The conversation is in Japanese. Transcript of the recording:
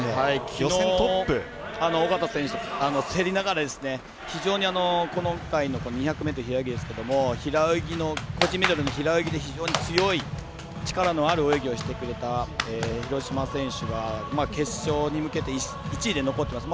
きのう、小方選手と競りながら、非常に今回の２００ｍ平泳ぎですけれども個人メドレーの平泳ぎで非常に強い力のある泳ぎをしてくれた廣島選手が決勝に向けて１位で残ってます。